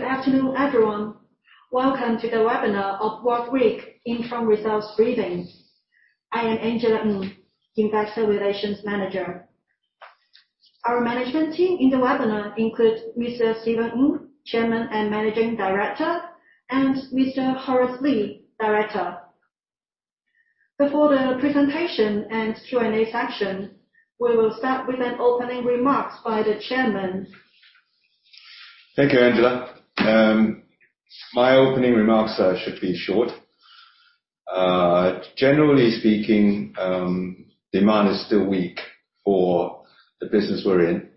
Good afternoon, everyone. Welcome to the webinar of Wharf REIC Interim Results Briefing. I am Angela Ng, investor relations manager. Our management team in the webinar includes Mr. Stephen Ng, Chairman and Managing Director, and Mr. Horace Lee, Director. Before the presentation and Q&A session, we will start with an opening remarks by the chairman. Thank you, Angela. My opening remarks should be short. Generally speaking, demand is still weak for the business we're in,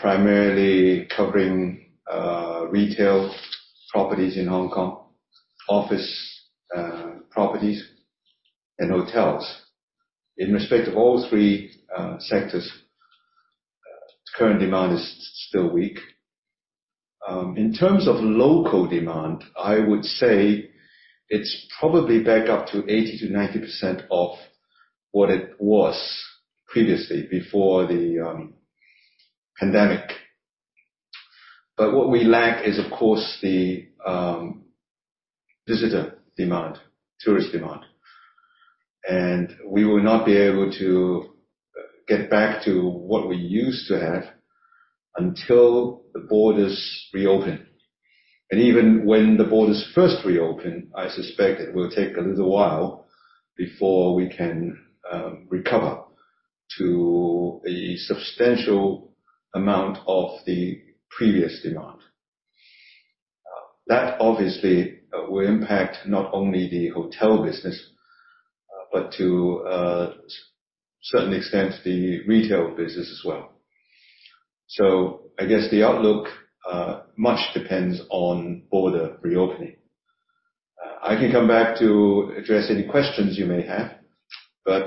primarily covering retail properties in Hong Kong, office properties, and hotels. In respect of all three sectors, current demand is still weak. In terms of local demand, I would say it's probably back up to 80%-90% of what it was previously, before the pandemic. What we lack is, of course, the visitor demand, tourist demand. We will not be able to get back to what we used to have until the borders reopen. Even when the borders first reopen, I suspect it will take a little while before we can recover to a substantial amount of the previous demand. That obviously will impact not only the hotel business, but to a certain extent, the retail business as well. I guess the outlook much depends on border reopening. I can come back to address any questions you may have.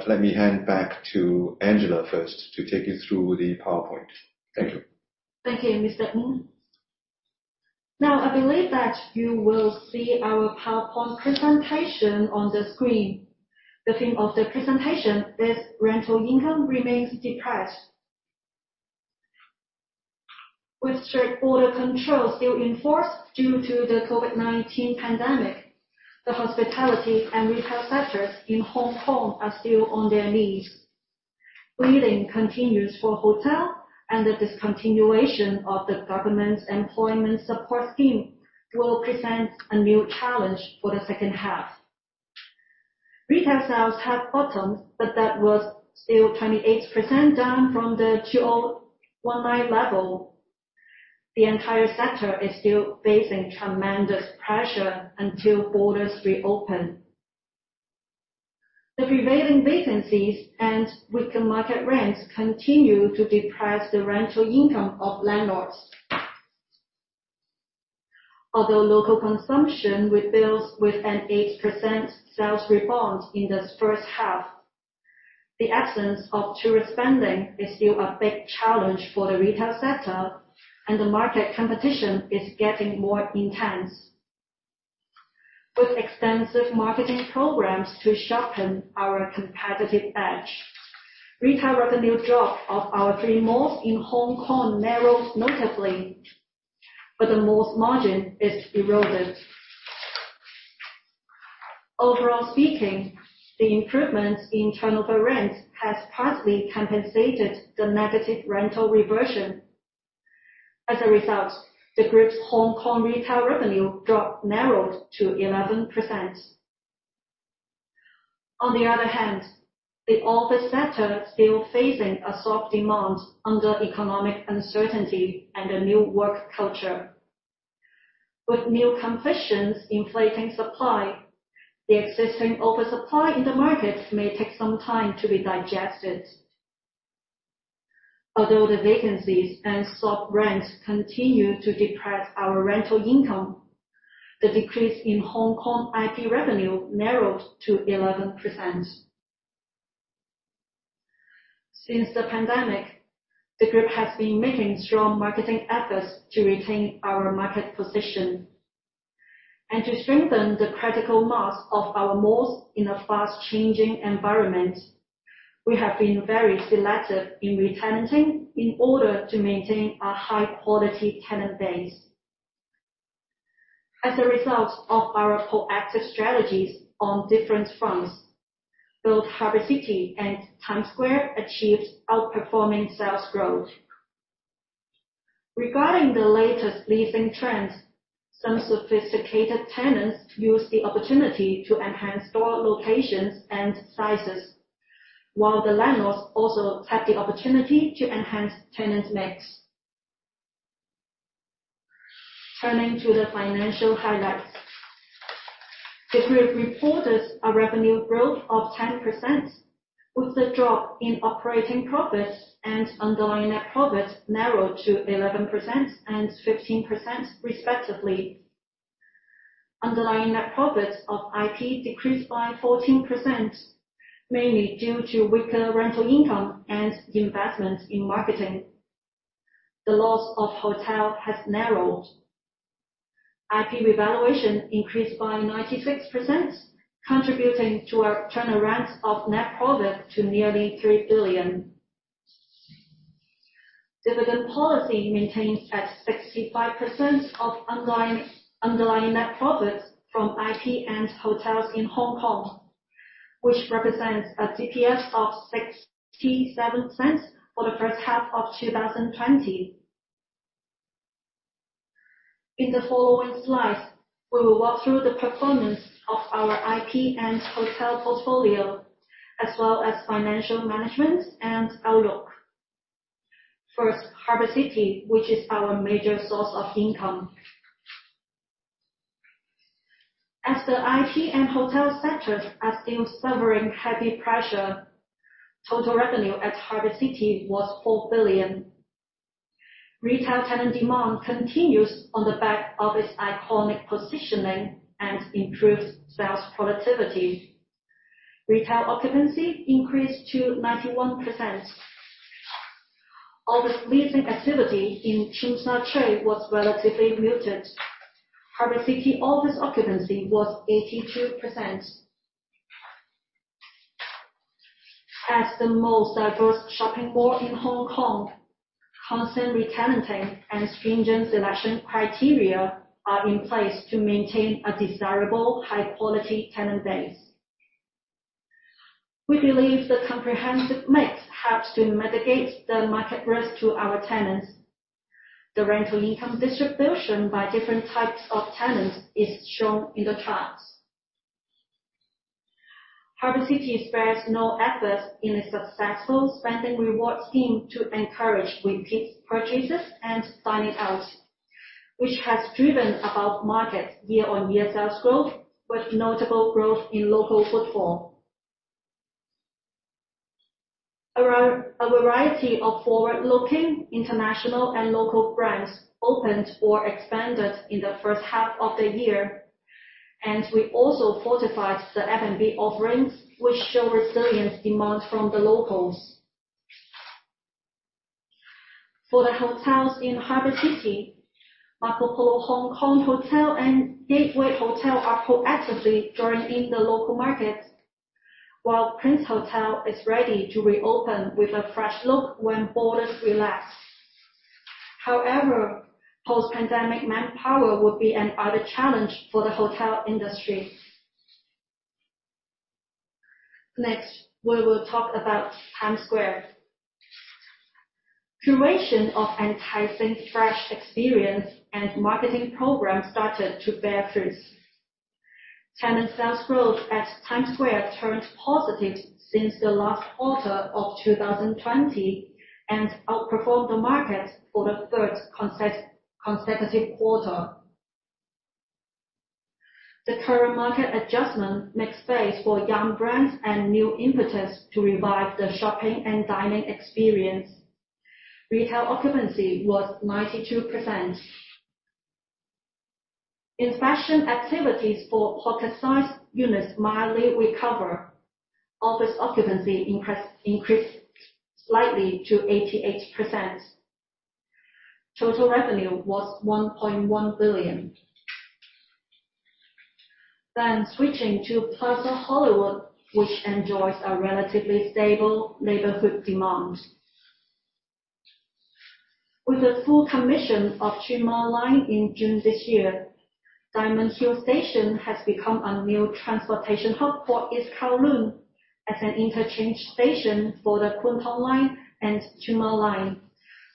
Let me hand back to Angela first to take you through the PowerPoint. Thank you. Thank you, Mr. Ng. I believe that you will see our PowerPoint presentation on the screen. The theme of the presentation is Rental Income Remains Depressed. With strict border controls still enforced due to the COVID-19 pandemic, the hospitality and retail sectors in Hong Kong are still on their knees. Bleeding continues for hotel, the discontinuation of the government's employment support scheme will present a new challenge for the second half. Retail sales have bottomed, that was still 28% down from the 2019 level. The entire sector is still facing tremendous pressure until borders reopen. The prevailing vacancies and weaker market rents continue to depress the rental income of landlords. Local consumption rebuilds with an 8% sales rebound in the first half, the absence of tourist spending is still a big challenge for the retail sector, and the market competition is getting more intense. With extensive marketing programs to sharpen our competitive edge, retail revenue drop of our three malls in Hong Kong narrows notably, but the malls' margin is eroded. Overall speaking, the improvements in turnover rent has partly compensated the negative rental reversion. As a result, the group's Hong Kong retail revenue drop narrowed to 11%. On the other hand, the office sector is still facing a soft demand under economic uncertainty and a new work culture. With new completions inflating supply, the existing oversupply in the market may take some time to be digested. Although the vacancies and soft rents continue to depress our rental income, the decrease in Hong Kong IP revenue narrowed to 11%. Since the pandemic, the group has been making strong marketing efforts to retain our market position and to strengthen the critical mass of our malls in a fast-changing environment. We have been very selective in re-tenanting in order to maintain a high-quality tenant base. As a result of our proactive strategies on different fronts, both Harbour City and Times Square achieved outperforming sales growth. Regarding the latest leasing trends, some sophisticated tenants used the opportunity to enhance store locations and sizes, while the landlords also had the opportunity to enhance tenants' mix. Turning to the financial highlights. The group reported a revenue growth of 10%, with the drop in operating profits and underlying net profits narrowed to 11% and 15% respectively. Underlying net profits of IP decreased by 14%, mainly due to weaker rental income and investment in marketing. The loss of hotel has narrowed. IP revaluation increased by 96%, contributing to our turnover rent of net profit to nearly 3 billion. Dividend policy maintained at 65% of underlying net profits from IP and hotels in Hong Kong, which represents a DPS of 0.67 for the first half of 2020. In the following slides, we will walk through the performance of our IP and hotel portfolio, as well as financial management and outlook. First, Harbour City, which is our major source of income. The IP and hotel sectors are still suffering heavy pressure, total revenue at Harbour City was 4 billion. Retail tenant demand continues on the back of its iconic positioning and improved sales productivity. Retail occupancy increased to 91%. Office leasing activity in Tsim Sha Tsui was relatively muted. Harbour City office occupancy was 82%. The most diverse shopping mall in Hong Kong, constant re-tenanting and stringent selection criteria are in place to maintain a desirable high-quality tenant base. We believe the comprehensive mix helps to mitigate the market risk to our tenants. The rental income distribution by different types of tenants is shown in the charts. Harbour City spares no efforts in its successful spending reward scheme to encourage repeat purchases and dining out, which has driven above-market year-on-year sales growth, with notable growth in local footfall. A variety of forward-looking international and local brands opened or expanded in the first half of the year, and we also fortified the F&B offerings, which show resilient demand from the locals. For the hotels in Harbour City, Marco Polo Hongkong Hotel and Gateway Hotel are proactively joining in the local market, while Prince Hotel is ready to reopen with a fresh look when borders relax. However, post-pandemic manpower will be another challenge for the hotel industry. Next, we will talk about Times Square. Curation of enticing fresh experience and marketing programs started to bear fruits. Tenant sales growth at Times Square turned positive since the last quarter of 2020 and outperformed the market for the third consecutive quarter. The current market adjustment makes space for young brands and new impetus to revive the shopping and dining experience. Retail occupancy was 92%. Investment activities for office units mildly recover. Office occupancy increased slightly to 88%. Total revenue was 1.1 billion. Switching to Plaza Hollywood, which enjoys a relatively stable neighborhood demand. With the full commission of Tuen Ma Line in June this year, Diamond Hill Station has become a new transportation hub for East Kowloon as an interchange station for the Kwun Tong Line and Tuen Ma Line,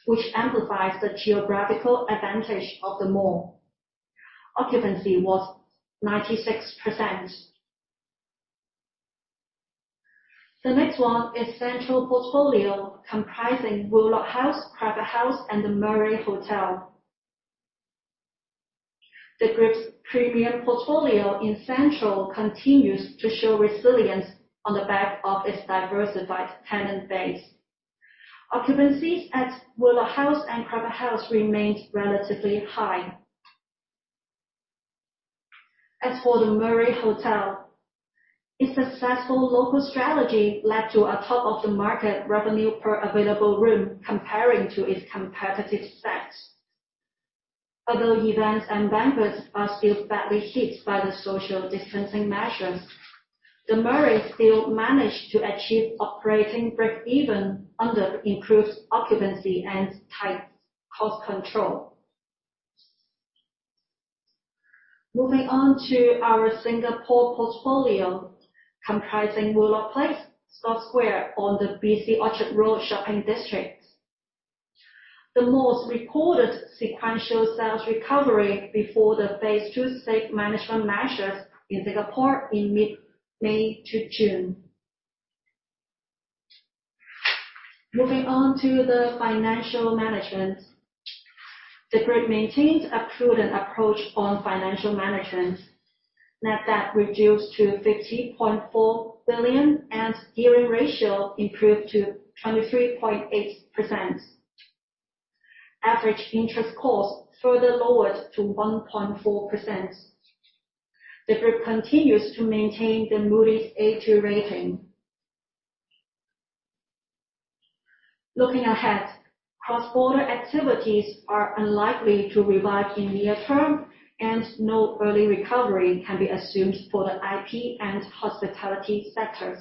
which amplifies the geographical advantage of the mall. Occupancy was 96%. The next one is Central portfolio, comprising Wheelock House, Praca House, and The Murray, Hong Kong. The group's premium portfolio in Central continues to show resilience on the back of its diversified tenant base. Occupancies at Wheelock House and Praca House remained relatively high. As for The Murray, Hong Kong, its successful local strategy led to a top-of-the-market revenue per available room comparing to its competitive set. Although events and banquets are still badly hit by the social distancing measures, The Murray still managed to achieve operating break-even under improved occupancy and tight cost control. Moving on to our Singapore portfolio, comprising Wheelock Place, Scotts Square on the busy Orchard Road shopping district. The malls recorded sequential sales recovery before the Phase 2 safe management measures in Singapore in mid-May to June. Moving on to the financial management. The group maintains a prudent approach on financial management. Net debt reduced to 50.4 billion, gearing ratio improved to 23.8%. Average interest cost further lowered to 1.4%. The group continues to maintain the Moody's A2 rating. Looking ahead, cross-border activities are unlikely to revive in near term, no early recovery can be assumed for the IP and hospitality sectors.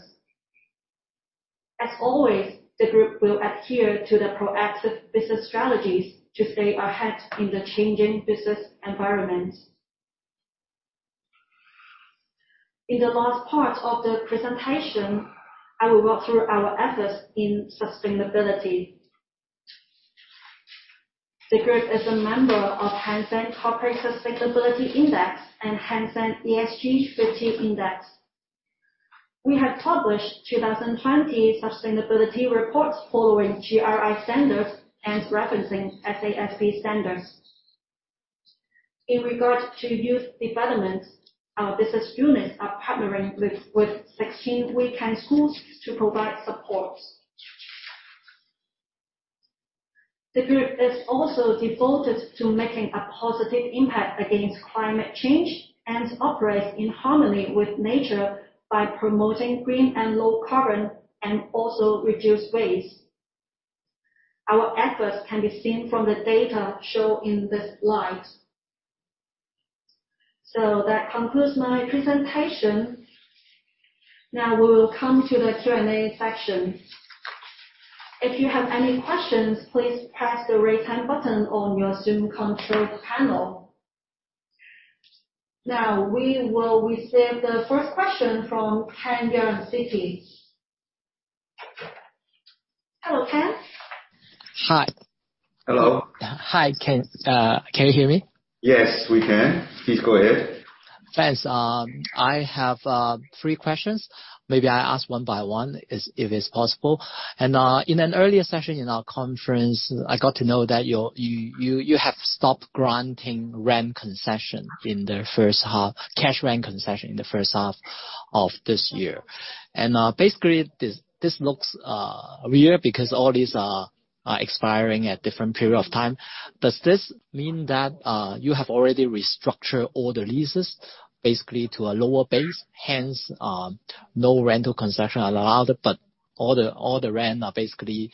As always, the group will adhere to the proactive business strategies to stay ahead in the changing business environment. In the last part of the presentation, I will walk through our efforts in sustainability. The group is a member of Hang Seng Corporate Sustainability Index and Hang Seng ESG 50 Index. We have published 2020 sustainability reports following GRI standards and referencing SASB standards. In regard to youth development, our business units are partnering with 16 weekend schools to provide support. The group is also devoted to making a positive impact against climate change, operates in harmony with nature by promoting green and low carbon, reduce waste. Our efforts can be seen from the data shown in this slide. That concludes my presentation. We will come to the Q&A section. If you have any questions, please press the raise hand button on your Zoom control panel. We will receive the first question from Ken Fung, HSBC. Hello, Ken. Hi. Hello. Hi, can you hear me? Yes, we can. Please go ahead. Thanks. I have three questions. Maybe I ask one by one, if it's possible. In an earlier session in our conference, I got to know that you have stopped granting rent concession in the 1st half cash rent concession in the first half of this year. Basically, this looks weird because all these are expiring at different period of time. Does this mean that you have already restructured all the leases, basically to a lower base, hence, no rental concession allowed, but all the rent are basically,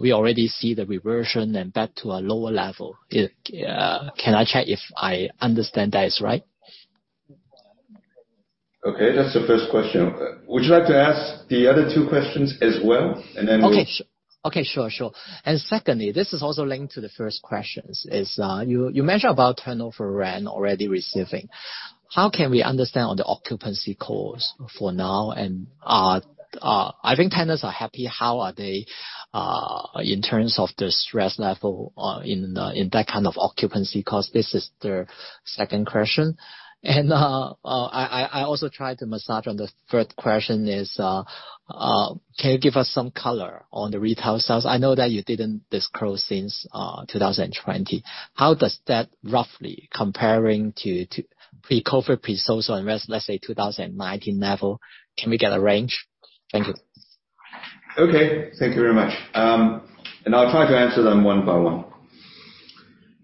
we already see the reversion and back to a lower level? Can I check if I understand that is right? Okay, that's the first question. Would you like to ask the other two questions as well? Okay, sure. Secondly, this is also linked to the first questions, is you mentioned about turnover rent already receiving. How can we understand on the occupancy cost for now? I think tenants are happy. How are they, in terms of the stress level in that kind of occupancy cost? This is the second question. I also tried to massage on the third question is, can you give us some color on the retail sales? I know that you didn't disclose since 2020. How does that roughly comparing to pre-COVID, pre-social unrest, let's say 2019 level? Can we get a range? Thank you. Okay. Thank you very much. I'll try to answer them one by one.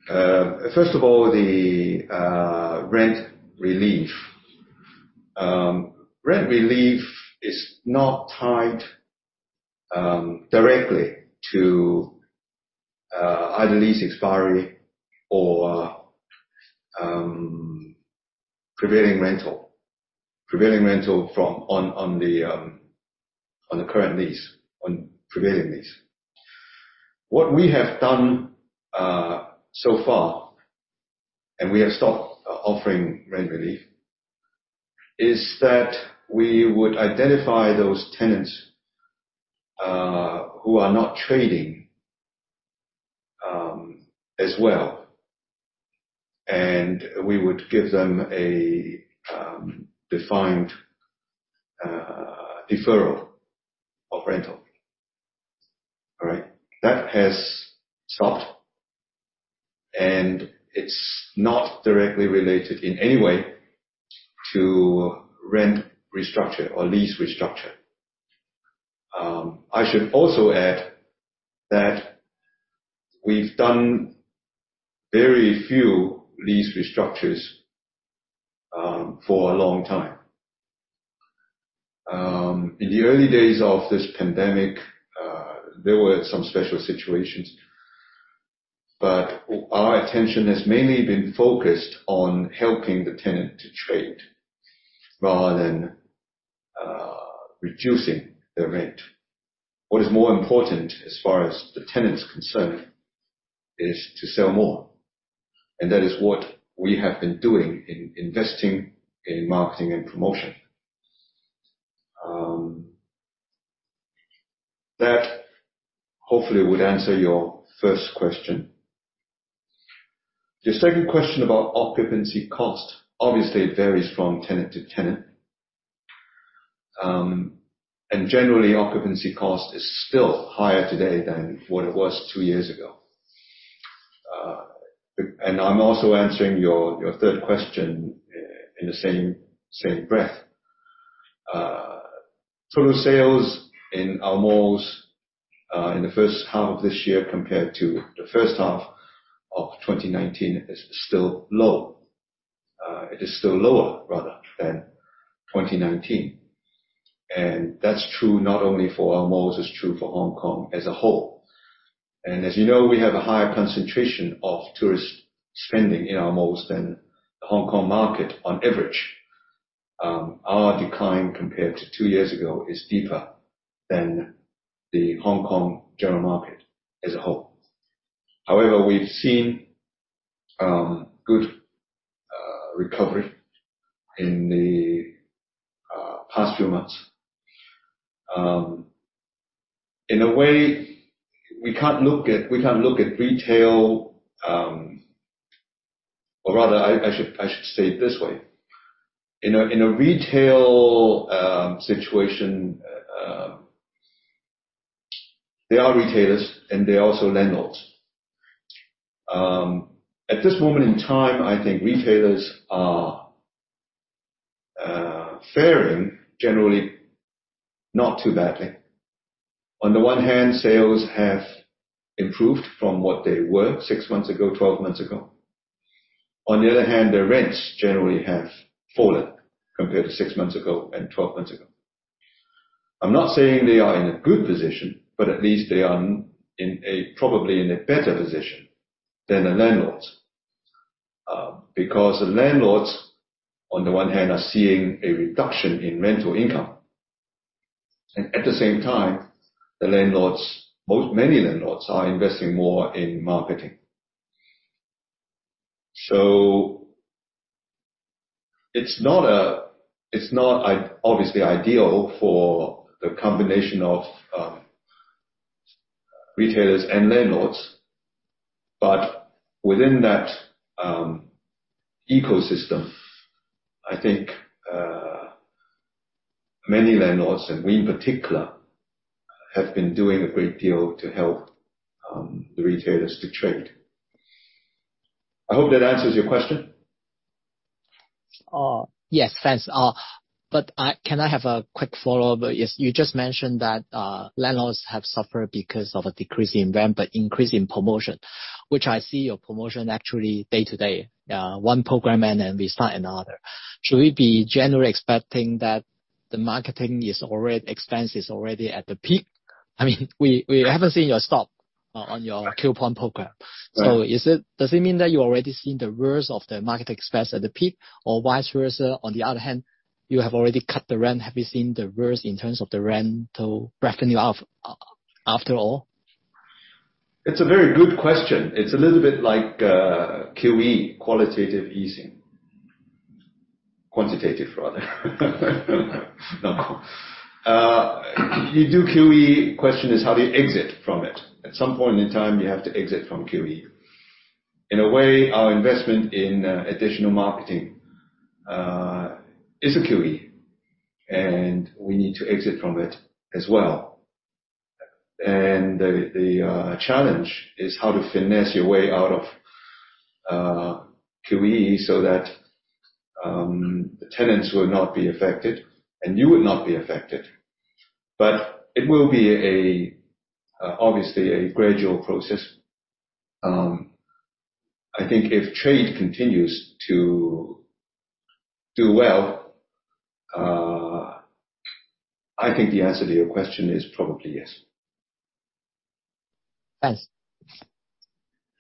First of all, the rent relief. Rent relief is not tied directly to either lease expiry or prevailing rental on the current lease, on prevailing lease. What we have done so far, and we have stopped offering rent relief, is that we would identify those tenants who are not trading as well, and we would give them a defined deferral of rental. All right? That has stopped, and it's not directly related in any way to rent restructure or lease restructure. I should also add that we've done very few lease restructures for a long time. In the early days of this pandemic, there were some special situations, but our attention has mainly been focused on helping the tenant to trade rather than reducing their rent. What is more important, as far as the tenant's concerned, is to sell more, and that is what we have been doing in investing in marketing and promotion. That hopefully would answer your first question. Your second question about occupancy cost, obviously it varies from tenant to tenant. Generally, occupancy cost is still higher today than what it was two years ago. I'm also answering your third question in the same breath. Total sales in our malls, in the first half of this year compared to the first half of 2019 is still lower rather than 2019. That's true not only for our malls, it's true for Hong Kong as a whole. As you know, we have a higher concentration of tourist spending in our malls than the Hong Kong market on average. Our decline compared to two years ago is deeper than the Hong Kong general market as a whole. We've seen good recovery in the past few months. In a way, we can't look at retail. In a retail situation, they are retailers and they are also landlords. At this moment in time, I think retailers are faring generally not too badly. On the one hand, sales have improved from what they were six months ago, 12 months ago. On the other hand, their rents generally have fallen compared to six months ago and 12 months ago. I'm not saying they are in a good position, at least they are probably in a better position than the landlords. The landlords, on the one hand, are seeing a reduction in rental income, and at the same time, many landlords are investing more in marketing. It's not obviously ideal for the combination of retailers and landlords, but within that ecosystem, I think many landlords, and we in particular, have been doing a great deal to help the retailers to trade. I hope that answers your question. Yes, thanks. Can I have a quick follow-up? You just mentioned that landlords have suffered because of a decrease in rent, but increase in promotion, which I see your promotion actually day to day. One program end and we start another. Should we be generally expecting that the marketing expense is already at the peak? I mean, we haven't seen your stop on your coupon program. Right. Does it mean that you already seen the worst of the marketing expense at the peak or vice versa? On the other hand, you have already cut the rent. Have you seen the worst in terms of the rental revenue after all? It's a very good question. It's a little bit like QE, qualitative easing. Quantitative rather. You do QE, question is how do you exit from it? At some point in time, you have to exit from QE. In a way, our investment in additional marketing is a QE, and we need to exit from it as well. The challenge is how to finesse your way out of QE so that the tenants will not be affected and you would not be affected. It will be obviously a gradual process. I think if trade continues to do well, I think the answer to your question is probably yes. Thanks.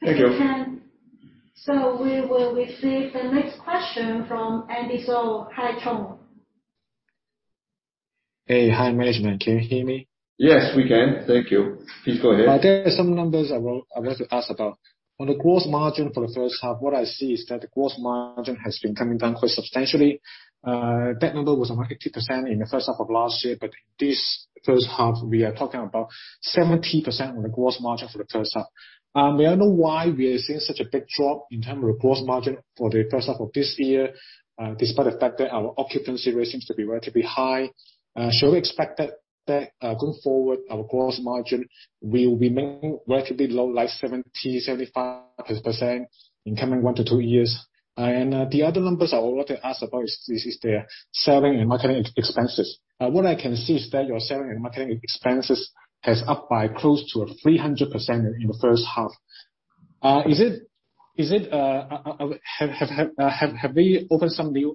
Thank you. We will receive the next question from Andy So. Haitong. Hey. Hi, management. Can you hear me? Yes, we can. Thank you. Please go ahead. There are some numbers I wanted to ask about. On the gross margin for the first half, what I see is that the gross margin has been coming down quite substantially. That number was around 80% in the first half of last year. This first half, we are talking about 70% on the gross margin for the first half. May I know why we are seeing such a big drop in terms of gross margin for the first half of this year, despite the fact that our occupancy rate seems to be relatively high? Should we expect that going forward, our gross margin will remain relatively low, like 70%, 75% in coming one to two years? The other numbers I wanted to ask about is the selling and marketing expenses. What I can see is that your selling and marketing expenses has up by close to 300% in the first half. Have they opened some new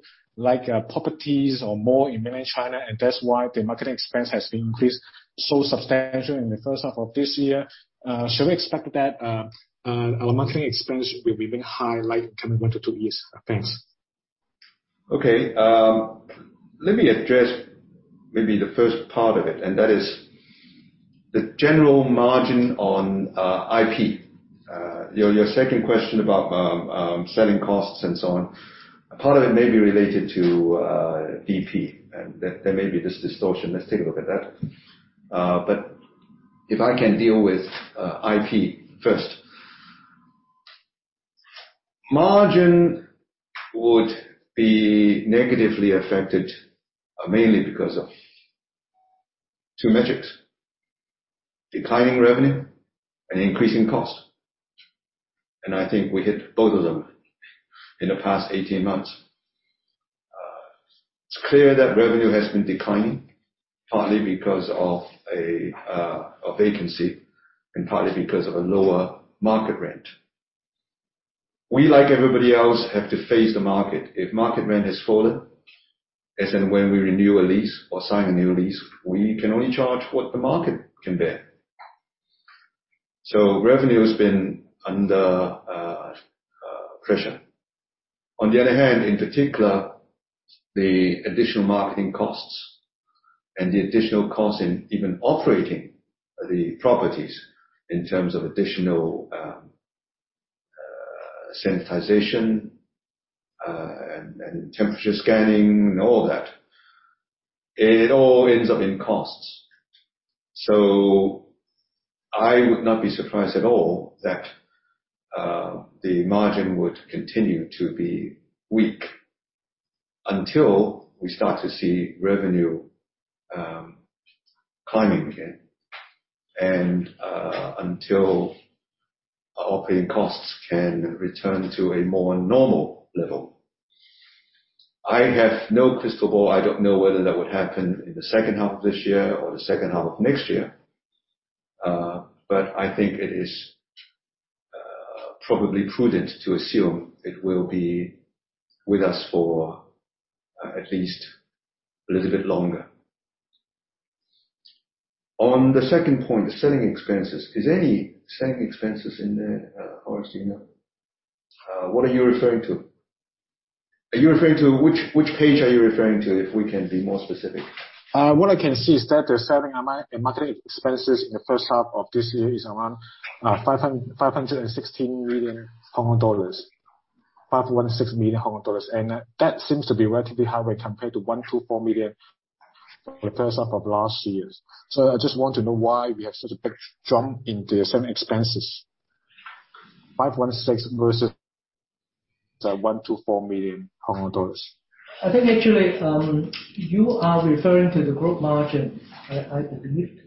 properties or more in Mainland China and that's why the marketing expense has been increased so substantially in the first half of this year? Should we expect that our marketing expense will remain high in coming one to two years? Thanks. Let me address maybe the first part of it, and that is the general margin on IP. Your second question about selling costs and so on, part of it may be related to DP, and there may be this distortion. Let's take a look at that. If I can deal with IP first. Margin would be negatively affected mainly because of two metrics, declining revenue and increasing cost. I think we hit both of them in the past 18 months. It's clear that revenue has been declining, partly because of a vacancy and partly because of a lower market rent. We, like everybody else, have to face the market. If market rent has fallen, as in when we renew a lease or sign a new lease, we can only charge what the market can bear. Revenue has been under pressure. In particular, the additional marketing costs and the additional costs in even operating the properties in terms of additional sanitization and temperature scanning and all that. It all ends up in costs. I would not be surprised at all that the margin would continue to be weak until we start to see revenue climbing again and until our operating costs can return to a more normal level. I have no crystal ball. I don't know whether that would happen in the second half of this year or the second half of next year. I think it is probably prudent to assume it will be with us for at least a little bit longer. On the second point, the selling expenses. Is any selling expenses in there, Horace, do you know? What are you referring to? Which page are you referring to, if we can be more specific? What I can see is that the selling and marketing expenses in the first half of this year is around 516 million Hong Kong dollars. That seems to be relatively high when compared to 124 million in the first half of last year. I just want to know why we have such a big jump in the selling expenses, 516 versus the 124 million Hong Kong dollars. I think actually, you are referring to the group margin, I believe.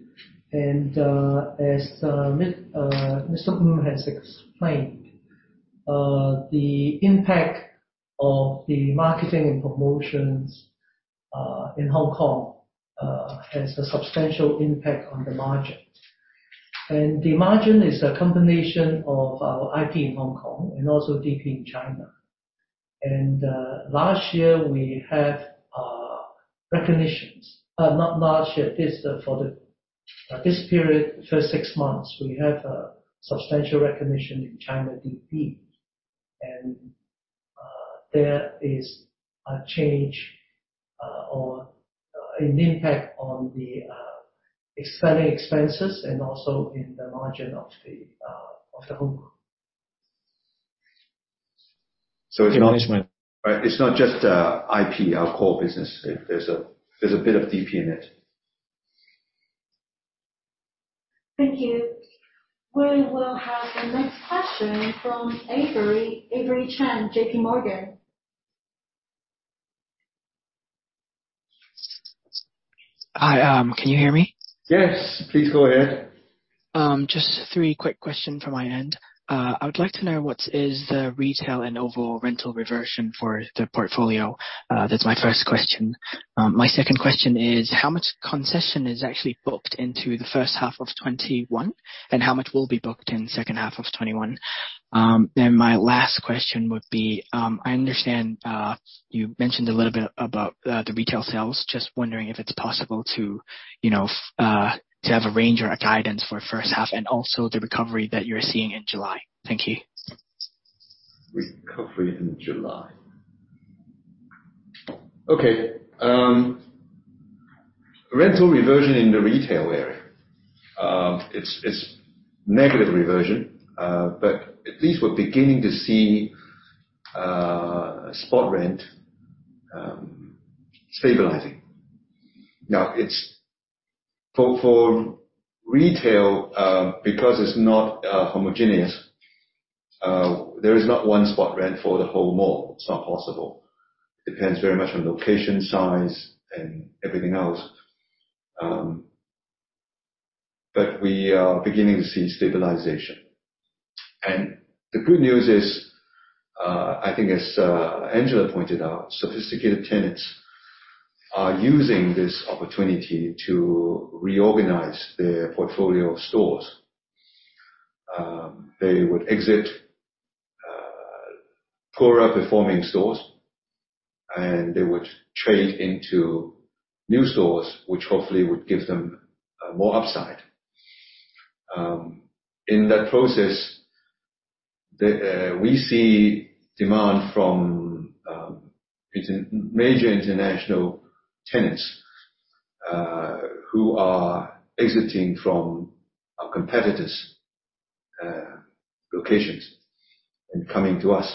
As Stephen Ng has explained, the impact of the marketing and promotions in Hong Kong has a substantial impact on the margin. The margin is a combination of our IP in Hong Kong and also DP in China. Last year we had recognitions. Not last year, this period, the first six months, we had a substantial recognition in China DP. There is a change or an impact on the selling expenses and also in the margin of the whole group. So it's- Management. It's not just IP, our core business. There's a bit of DP in it. Thank you. We will have the next question from Avery. Avery Chan, JPMorgan. Hi, can you hear me? Yes, please go ahead. Just three quick question from my end. I would like to know what is the retail and overall rental reversion for the portfolio? That's my first question. My second question is how much concession is actually booked into the first half of 2021, and how much will be booked in second half of 2021? My last question would be, I understand you mentioned a little bit about the retail sales. Just wondering if it's possible to have a range or a guidance for first half and also the recovery that you're seeing in July. Thank you. Recovery in July. Okay. Rental reversion in the retail area. It's negative reversion. at least we're beginning to see spot rent stabilizing. Now, for retail, because it's not homogeneous, there is not one spot rent for the whole mall. It's not possible. It depends very much on location, size, and everything else. we are beginning to see stabilization. the good news is, I think as Angela Ng pointed out, sophisticated tenants are using this opportunity to reorganize their portfolio of stores. They would exit poorer performing stores, and they would trade into new stores, which hopefully would give them more upside. In that process, we see demand from major international tenants who are exiting from our competitors' locations and coming to us.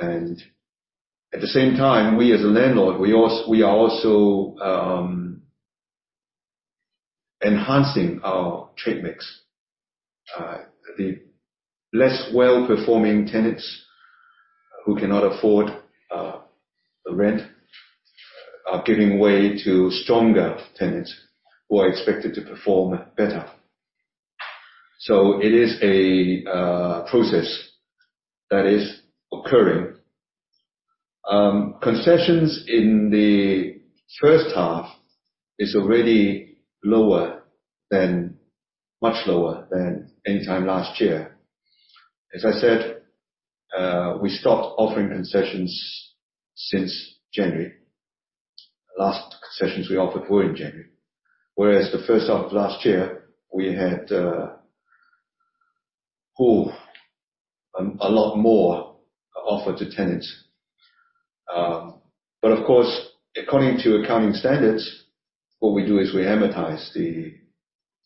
at the same time, we as a landlord, we are also enhancing our trade mix. The less well-performing tenants who cannot afford the rent are giving way to stronger tenants who are expected to perform better. It is a process that is occurring. Concessions in the first half is already much lower than any time last year. As I said, we stopped offering concessions since January. Last concessions we offered were in January. Whereas the first half of last year, we had a lot more offered to tenants. Of course, according to accounting standards, what we do is we amortize the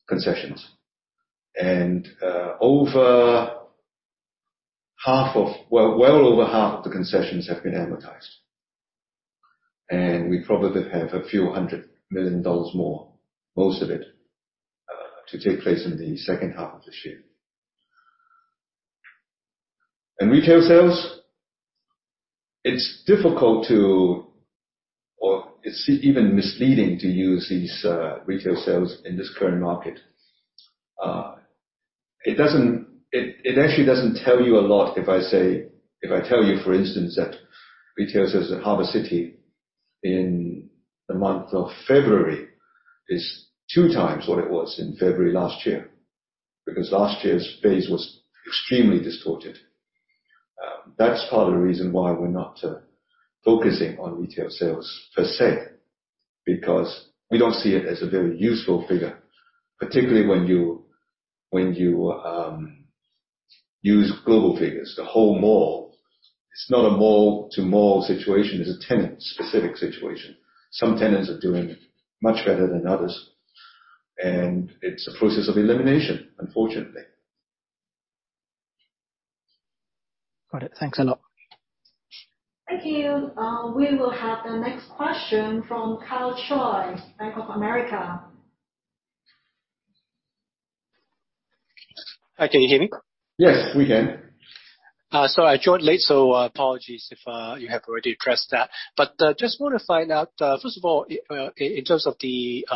concessions. Well over half of the concessions have been amortized. We probably have a few hundred million dollars more, most of it, to take place in the second half of this year. Retail sales, it's difficult to or it's even misleading to use these retail sales in this current market. It actually doesn't tell you a lot if I tell you, for instance, that retail sales at Harbour City in the month of February is two times what it was in February last year, because last year's base was extremely distorted. That's part of the reason why we're not focusing on retail sales per se, because we don't see it as a very useful figure, particularly when you use global figures, the whole mall. It's not a mall-to-mall situation, it's a tenant-specific situation. Some tenants are doing much better than others. It's a process of elimination, unfortunately. Got it. Thanks a lot. Thank you. We will have the next question from Karl Choi, Bank of America. Hi, can you hear me? Yes, we can. Sorry, I joined late, so apologies if you have already addressed that. Just want to find out, first of all, in terms of the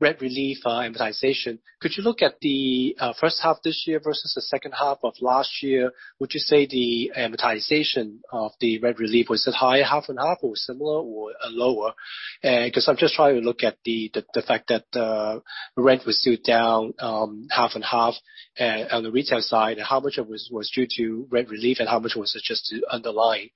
rent relief amortization, could you look at the first half this year versus the second half of last year? Would you say the amortization of the rent relief, was it higher half and half, or similar or lower? Because I'm just trying to look at the fact that the rent was still down half and half on the retail side, and how much of it was due to rent relief, and how much was it just underlying.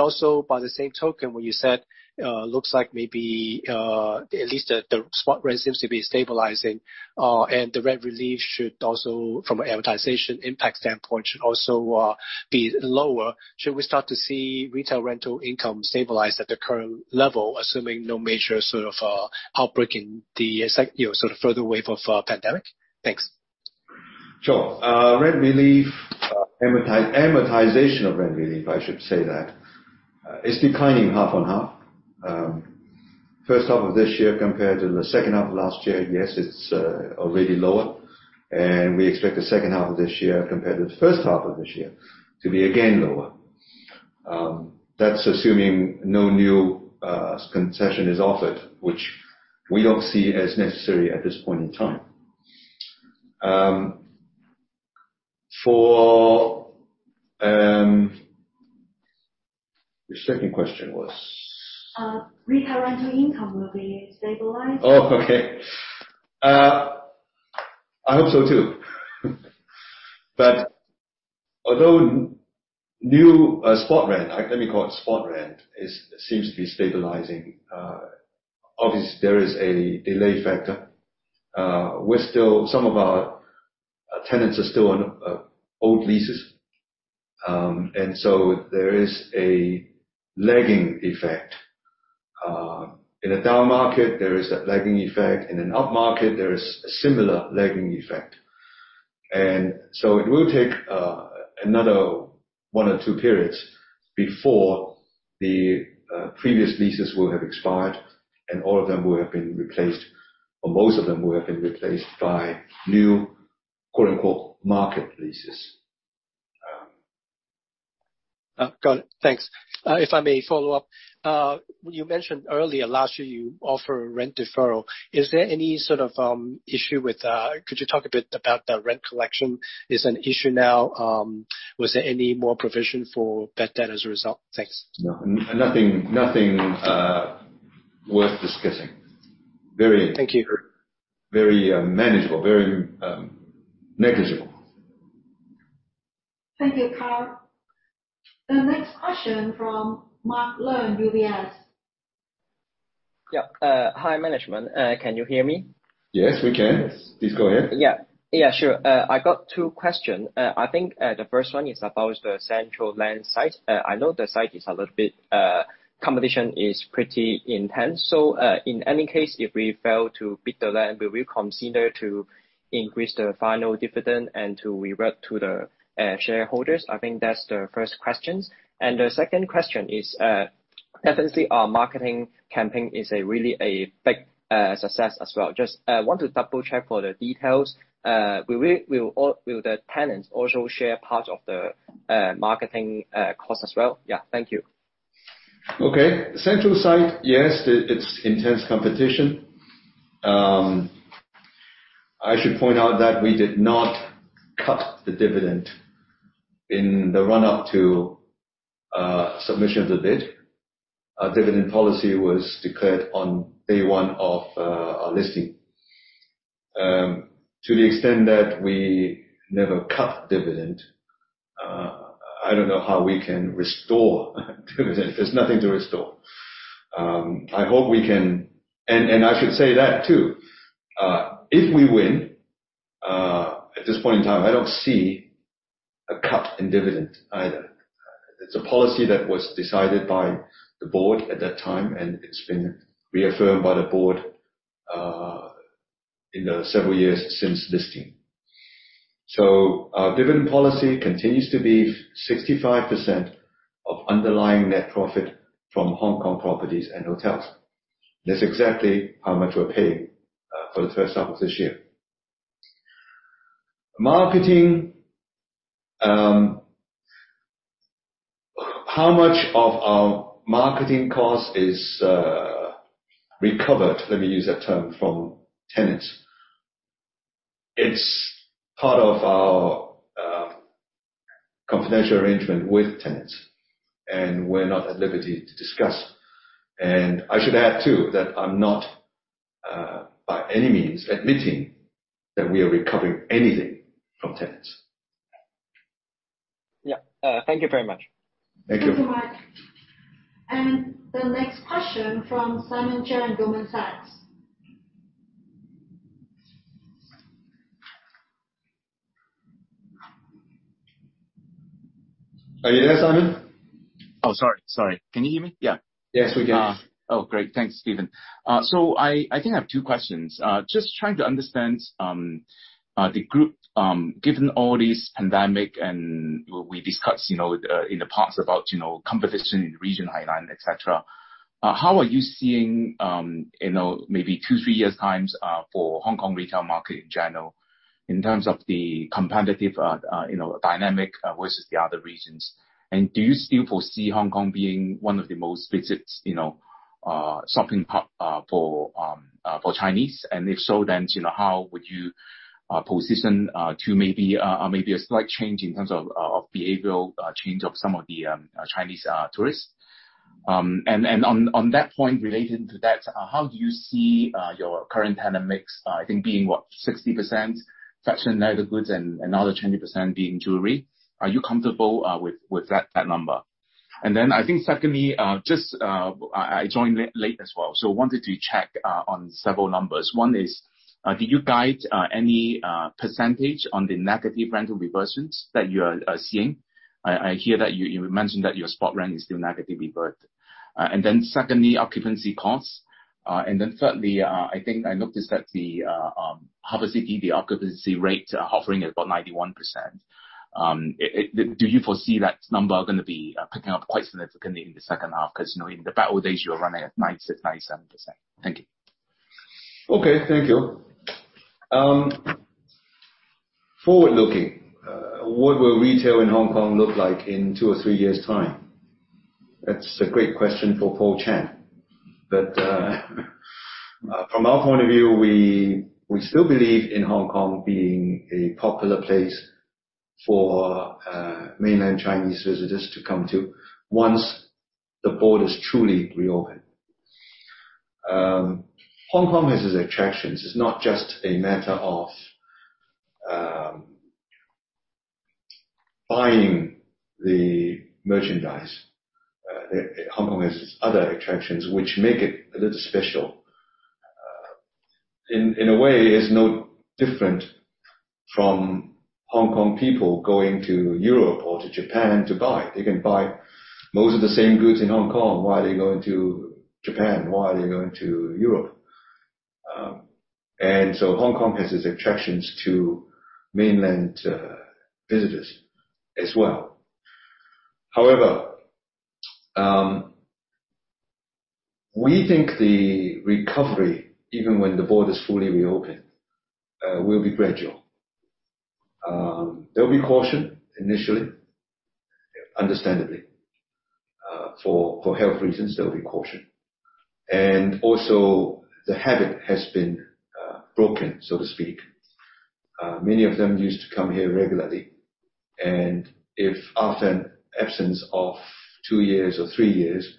Also, by the same token, when you said, looks like maybe at least the spot rent seems to be stabilizing, and the rent relief should also, from amortization impact standpoint, should also be lower. Should we start to see retail rental income stabilize at the current level, assuming no major sort of outbreak in the further wave of pandemic? Thanks. Sure. Rent relief, amortization of rent relief, I should say that, is declining 50/50. First half of this year compared to the second half of last year, yes, it's already lower. We expect the second half of this year compared to the first half of this year to be again lower. That's assuming no new concession is offered, which we don't see as necessary at this point in time. Your second question was? Retail rental income will be stabilized. Oh, okay. I hope so, too. Although new spot rent, let me call it spot rent, seems to be stabilizing. Obviously, there is a delay factor. Some of our tenants are still on old leases. There is a lagging effect. In a down market, there is a lagging effect. In an up market, there is a similar lagging effect. It will take another one or two periods before the previous leases will have expired and all of them will have been replaced, or most of them will have been replaced by new quote-unquote, market leases. Got it. Thanks. If I may follow up. You mentioned earlier, last year you offer rent deferral. Could you talk a bit about the rent collection? Is it an issue now? Was there any more provision for bad debt as a result? Thanks. No. Nothing worth discussing. Thank you. Very manageable. Very negligible. Thank you, Karl. The next question from Mark Leung, UBS. Yeah. Hi, management. Can you hear me? Yes, we can. Yes. Please go ahead. Yeah. Sure. I got two question. I think the first one is about the central land site. I know the site is a little bit, competition is pretty intense. In any case, if we fail to bid the land, we will consider to increase the final dividend and to revert to the shareholders. I think that's the first questions. The second question is, definitely our marketing campaign is really a big success as well. Just want to double-check for the details. Will the tenants also share part of the marketing cost as well? Yeah. Thank you. Okay. Central site, yes, it's intense competition. I should point out that we did not cut the dividend in the run-up to submission of the bid. Our dividend policy was declared on day one of our listing. To the extent that we never cut dividend, I don't know how we can restore dividend. There's nothing to restore. I should say that too. If we win, at this point in time, I don't see a cut in dividend either. It's a policy that was decided by the board at that time, and it's been reaffirmed by the board in the several years since listing. Our dividend policy continues to be 65% of underlying net profit from Hong Kong properties and hotels. That's exactly how much we're paying for the first half of this year. Marketing. How much of our marketing cost is recovered, let me use that term, from tenants? It's part of our confidential arrangement with tenants, and we're not at liberty to discuss. I should add too, that I'm not, by any means, admitting that we are recovering anything from tenants. Yeah. Thank you very much. Thank you. Thank you, Mark. The next question from Simon Cheung, Goldman Sachs. Are you there, Simon? Oh, sorry. Can you hear me? Yeah. Yes, we can. Oh, great. Thanks, Stephen. I think I have two questions. Just trying to understand the group, given all this pandemic and we discussed in the past about competition in the region, Hainan, et cetera. How are you seeing maybe two, three years times for Hong Kong retail market in general in terms of the competitive dynamic versus the other regions? Do you still foresee Hong Kong being one of the most visits shopping for Chinese? If so, then how would you position to maybe a slight change in terms of behavioral change of some of the Chinese tourists? On that point, related to that, how do you see your current tenant mix, I think being what? 60% fashion leather goods and another 20% being jewelry. Are you comfortable with that number? I think secondly, I joined late as well, wanted to check on several numbers. One is, did you guide any percentage on the negative rental reversions that you are seeing? I hear that you mentioned that your spot rent is still negatively revert. Secondly, occupancy costs. Thirdly, I think I noticed that the Harbour City, the occupancy rate hovering at about 91%. Do you foresee that number going to be picking up quite significantly in the second half? Because in the better days you were running at 96%, 97%. Thank you. Okay. Thank you. Forward-looking. What will retail in Hong Kong look like in two or three years time? That's a great question for Paul Chan. From our point of view, we still believe in Hong Kong being a popular place for mainland Chinese visitors to come to once the border is truly reopened. Hong Kong has its attractions. It's not just a matter of buying the merchandise. Hong Kong has its other attractions, which make it a little special. In a way, it's no different from Hong Kong people going to Europe or to Japan to buy. They can buy most of the same goods in Hong Kong. Why are they going to Japan? Why are they going to Europe? Hong Kong has its attractions to mainland visitors as well. However, we think the recovery, even when the border is fully reopened, will be gradual. There will be caution initially, understandably. For health reasons, there will be caution. Also the habit has been broken, so to speak. Many of them used to come here regularly, and if after an absence of two years or three years,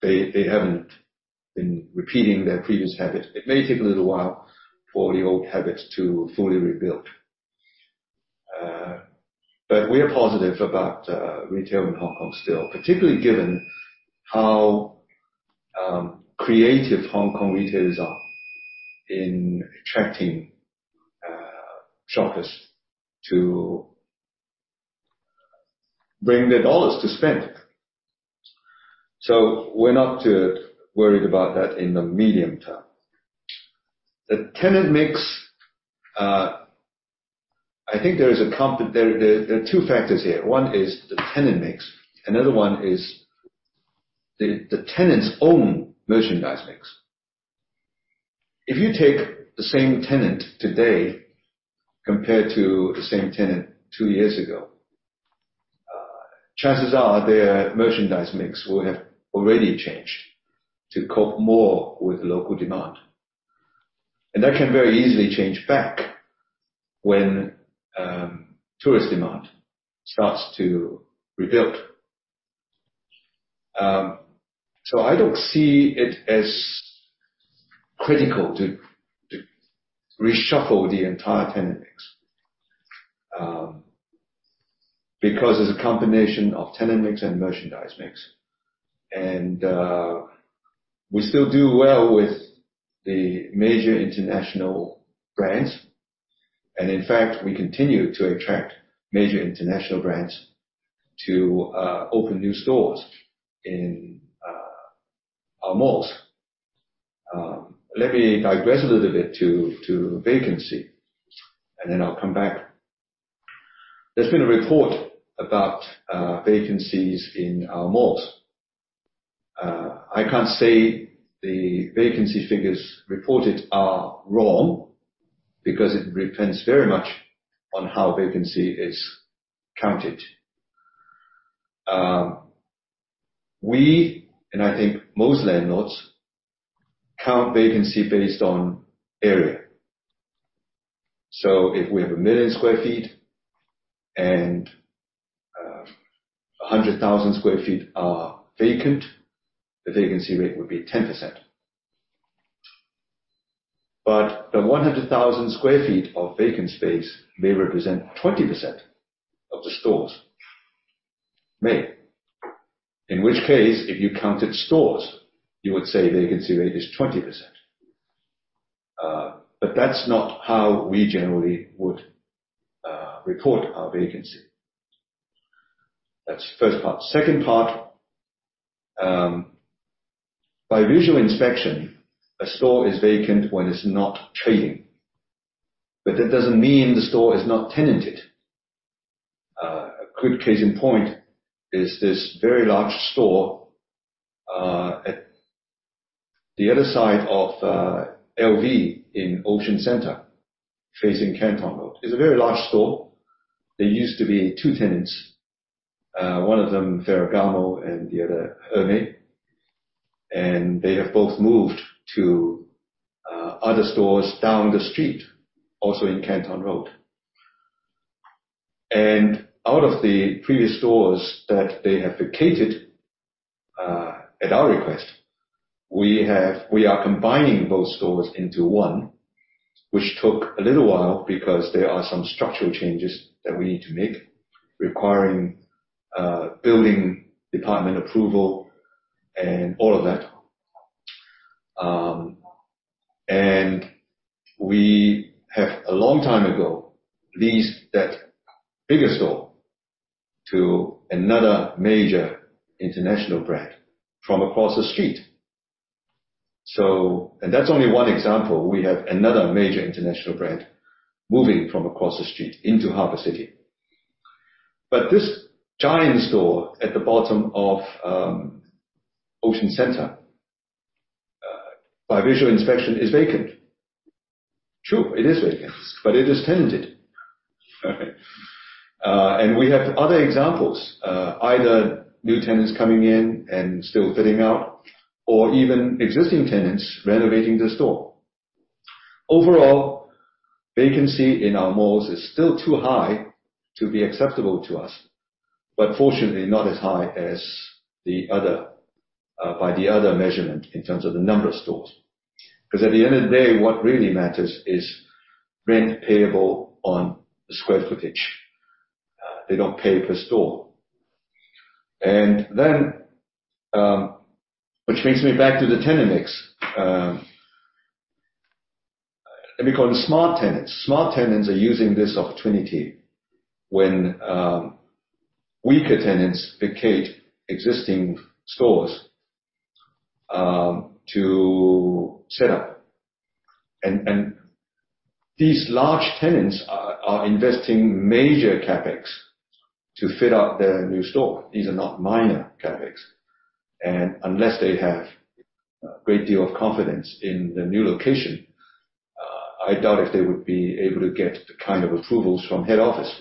they haven't been repeating their previous habit, it may take a little while for the old habits to fully rebuild. We are positive about retail in Hong Kong still, particularly given how creative Hong Kong retailers are in attracting shoppers to bring their dollars to spend. We're not too worried about that in the medium term. The tenant mix. I think there are two factors here. One is the tenant mix. Another one is the tenant's own merchandise mix. If you take the same tenant today compared to the same tenant two years ago, chances are their merchandise mix will have already changed to cope more with local demand. That can very easily change back when tourist demand starts to rebuild. I don't see it as critical to reshuffle the entire tenant mix, because it's a combination of tenant mix and merchandise mix. We still do well with the major international brands. In fact, we continue to attract major international brands to open new stores in our malls. Let me digress a little bit to vacancy, and then I'll come back. There's been a report about vacancies in our malls. I can't say the vacancy figures reported are wrong, because it depends very much on how vacancy is counted. We, and I think most landlords, count vacancy based on area. If we have 1 million sq ft and 100,000 sq ft are vacant, the vacancy rate would be 10%. The 100,000 sq ft of vacant space may represent 20% of the stores made. In which case, if you counted stores, you would say vacancy rate is 20%. That's not how we generally would report our vacancy. That's the first part. Second part. By visual inspection, a store is vacant when it's not trading. That doesn't mean the store is not tenanted. A quick case in point is this very large store at the other side of LV in Ocean Centre facing Canton Road. It's a very large store. There used to be two tenants, one of them Ferragamo and the other Hermès. They have both moved to other stores down the street, also in Canton Road. Out of the previous stores that they have vacated at our request, we are combining both stores into one, which took a little while because there are some structural changes that we need to make, requiring building department approval and all of that. We have a long time ago leased that bigger store to another major international brand from across the street. That's only one example. We have another major international brand moving from across the street into Harbour City. This giant store at the bottom of Ocean Center, by visual inspection is vacant. True, it is vacant, but it is tenanted. We have other examples, either new tenants coming in and still fitting out or even existing tenants renovating the store. Vacancy in our malls is still too high to be acceptable to us, but fortunately not as high as by the other measurement in terms of the number of stores. At the end of the day, what really matters is rent payable on the square footage. They don't pay per store. Which brings me back to the tenant mix. Let me call them smart tenants. Smart tenants are using this opportunity when weaker tenants vacate existing stores to set up. These large tenants are investing major CapEx to fit out their new store. These are not minor CapEx. Unless they have a great deal of confidence in the new location, I doubt if they would be able to get the kind of approvals from head office.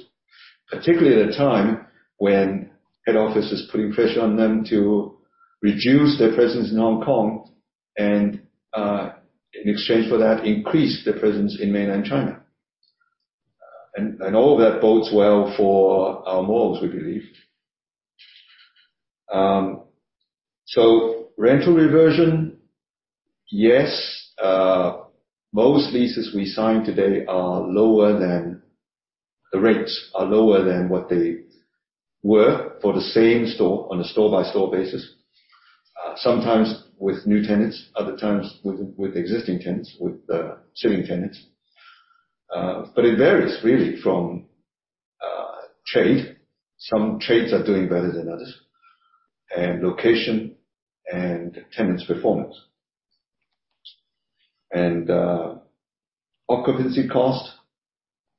Particularly at a time when head office is putting pressure on them to reduce their presence in Hong Kong and in exchange for that, increase their presence in mainland China. All that bodes well for our malls, we believe. Rental reversion, yes. Most leases we sign today are lower than what they were for the same store on a store-by-store basis. Sometimes with new tenants, other times with existing tenants. It varies really from trade, some trades are doing better than others, and location and tenants' performance. Occupancy cost.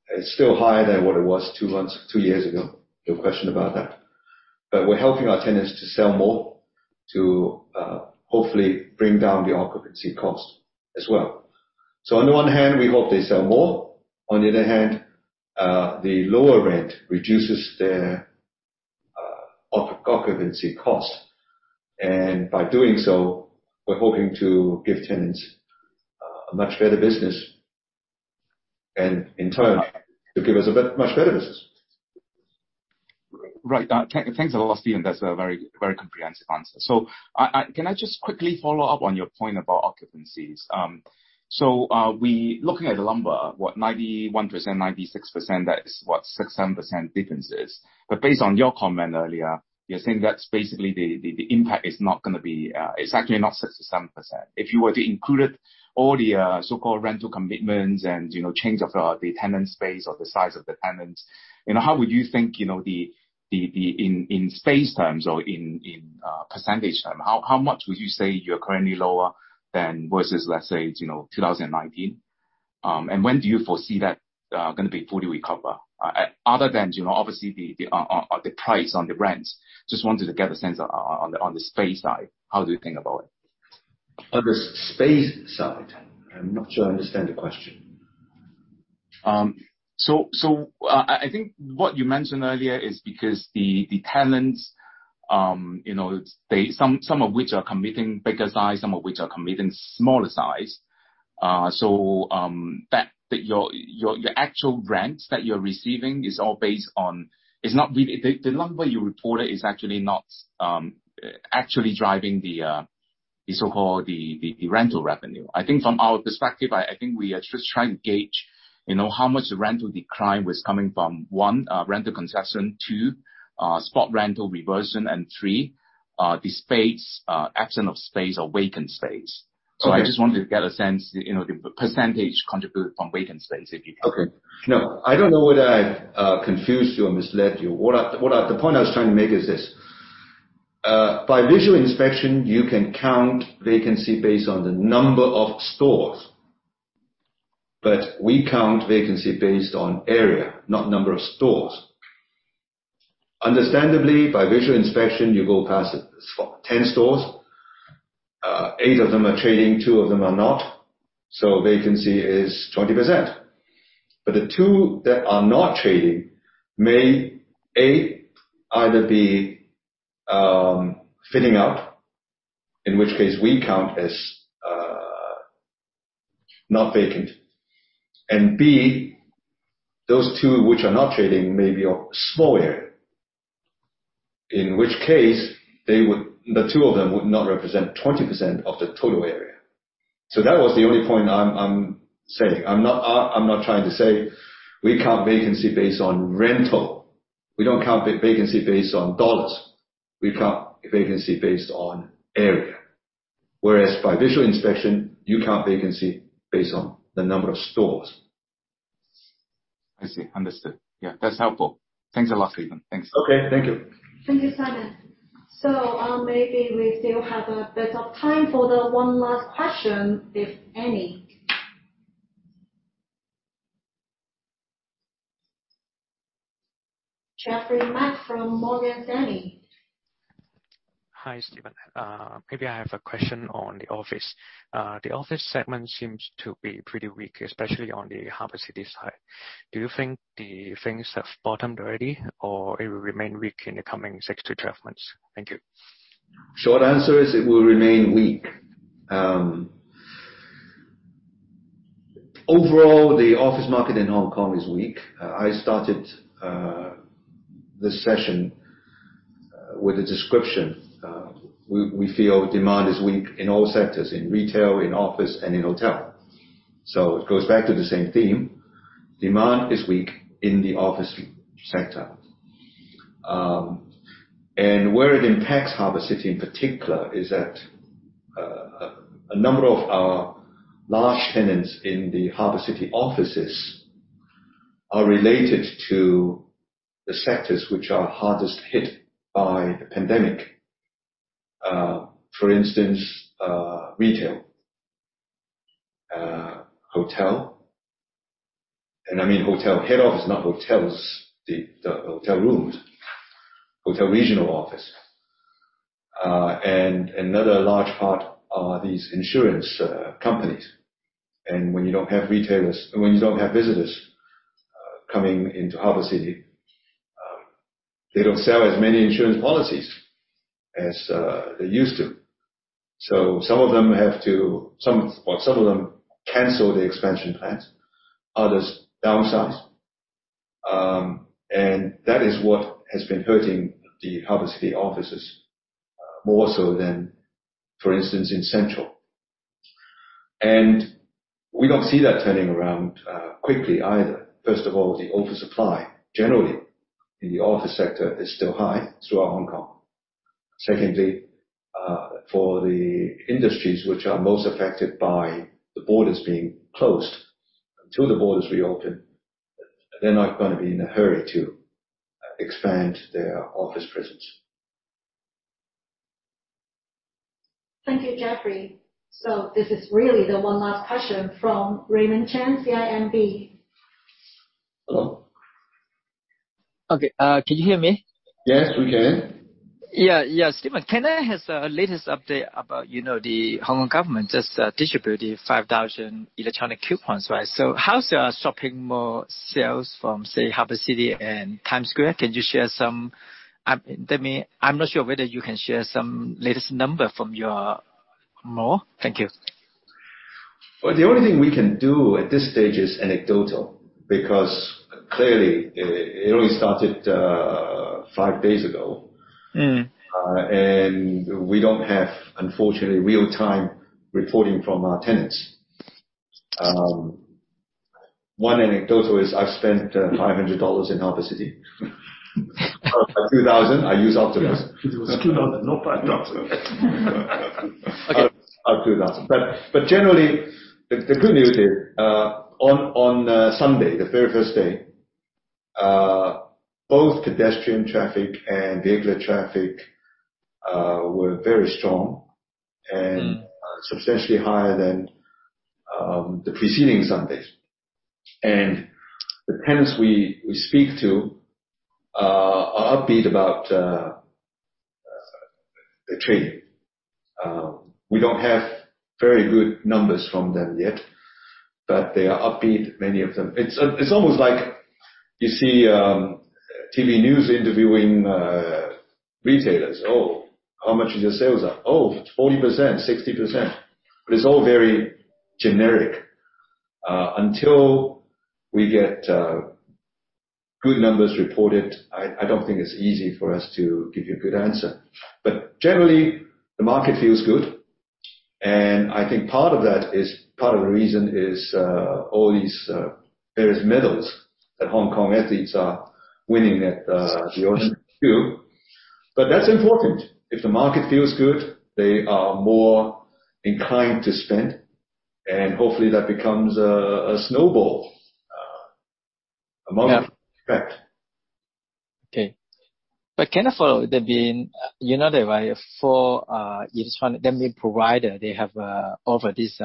It's still higher than what it was two years ago, no question about that. We're helping our tenants to sell more to hopefully bring down the occupancy cost as well. On the one hand, we hope they sell more. On the other hand, the lower rent reduces their occupancy cost. By doing so, we're hoping to give tenants a much better business, and in turn, to give us a much better business. Right. Thanks a lot, Stephen. That's a very comprehensive answer. Can I just quickly follow up on your point about occupancies? Looking at the number, what, 91%, 96%, that is what, 6%-7% differences. Based on your comment earlier, you're saying that's basically the impact is actually not 6%-7%. If you were to include all the so-called rental commitments and change of the tenant space or the size of the tenants, how would you think in space terms or in percentage terms, how much would you say you're currently lower than versus, let's say, 2019? And when do you foresee that going to be fully recover? Other than obviously the price on the rents, just wanted to get a sense on the space side, how do you think about it? On the space side? I'm not sure I understand the question. I think what you mentioned earlier is because the tenants some of which are committing bigger size, some of which are committing smaller size. Your actual rent that you're receiving, the number you reported is actually driving the rental revenue. I think from our perspective, I think we are just trying to gauge how much the rental decline was coming from, one, rental concession, two, spot rental reversion, and three, the absent of space or vacant space. Okay. I just wanted to get a sense, the percentage contributed from vacant space, if you can. Okay. No, I don't know whether I've confused you or misled you. The point I was trying to make is this. By visual inspection, you can count vacancy based on the number of stores. We count vacancy based on area, not number of stores. Understandably, by visual inspection, you go past 10 stores, eight of them are trading, two of them are not. Vacancy is 20%. The two that are not trading may, A, either be fitting out, in which case we count as not vacant. B, those two which are not trading may be of small area. In which case, the two of them would not represent 20% of the total area. That was the only point I'm making. I'm not trying to say we count vacancy based on rental. We don't count vacancy based on dollars. We count vacancy based on area. By visual inspection, you count vacancy based on the number of stores. I see. Understood. Yeah, that's helpful. Thanks a lot, Stephen. Thanks. Okay, thank you. Thank you, Simon. Maybe we still have a bit of time for the one last question, if any. Jeffrey Mak from Morgan Stanley. Hi, Stephen Ng. Maybe I have a question on the office. The office segment seems to be pretty weak, especially on the Harbour City side. Do you think the things have bottomed already or it will remain weak in the coming 6-12 months? Thank you. Short answer is it will remain weak. Overall, the office market in Hong Kong is weak. I started this session with a description. We feel demand is weak in all sectors, in retail, in office, and in hotel. It goes back to the same theme. Demand is weak in the office sector. Where it impacts Harbour City in particular is that a number of our large tenants in the Harbour City offices are related to the sectors which are hardest hit by the pandemic. For instance, retail, hotel. I mean hotel head office, not hotels, the hotel rooms. Hotel regional office. Another large part are these insurance companies. When you don't have visitors coming into Harbour City, they don't sell as many insurance policies as they used to. Some of them cancel the expansion plans, others downsize. That is what has been hurting the Harbour City offices more so than, for instance, in Central. We don't see that turning around quickly either. First of all, the oversupply generally in the office sector is still high throughout Hong Kong. Secondly, for the industries which are most affected by the borders being closed, until the borders reopen, they're not going to be in a hurry to expand their office presence. Thank you, Jeffrey. This is really the one last question from Raymond Chan, CIMB. Hello. Okay. Can you hear me? Yes, we can. Yeah. Yeah. Stephen, can I have the latest update about the Hong Kong government just distributed 5,000 electronic coupons, right? How is your shopping mall sales from, say, Harbour City and Times Square? I'm not sure whether you can share some latest number from your mall. Thank you. Well, the only thing we can do at this stage is anecdotal, because clearly it only started five days ago. We don't have, unfortunately, real-time reporting from our tenants. One anecdote is I've spent 500 dollars in Harbour City. Out of 2,000, I use Octopus. It was 2,000, not 5,000. Out of 2,000. Generally, the good news is on Sunday, the very first day, both pedestrian traffic and vehicular traffic were very strong and substantially higher than the preceding Sundays. The tenants we speak to are upbeat about the trade. We don't have very good numbers from them yet, but they are upbeat, many of them. It's almost like you see TV news interviewing retailers. "Oh, how much is your sales up? Oh, 40%, 60%." It's all very generic. Until we get good numbers reported, I don't think it's easy for us to give you a good answer. Generally, the market feels good, and I think part of the reason is all these various medals that Hong Kong athletes are winning at the Olympics too. That's important. If the market feels good, they are more inclined to spend, and hopefully that becomes a snowball among- Yeah effect. Okay. Can I follow with that being, you know that, right? For electronic payment provider, they have offered this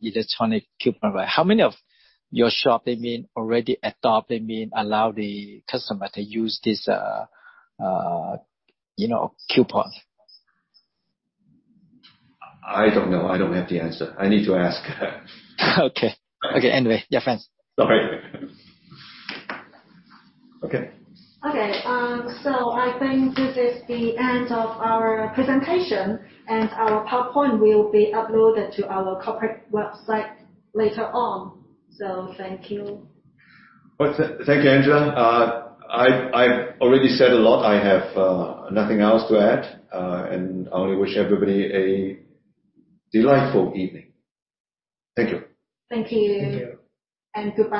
electronic coupon. How many of your shop they already adopt, they allow the customer to use this coupon? I don't know. I don't have the answer. I need to ask. Okay. Anyway, yeah, thanks. Sorry. Okay. Okay. I think this is the end of our presentation, and our PowerPoint will be uploaded to our corporate website later on. thank you. Well, thank you, Angela. I've already said a lot. I have nothing else to add. I only wish everybody a delightful evening. Thank you. Thank you. Thank you. Goodbye.